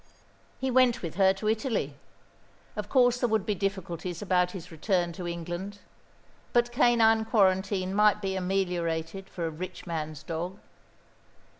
He went with her to Italy. Of course, there would be difficulties about his return to England; but canine quarantine might be ameliorated for a rich man's dog.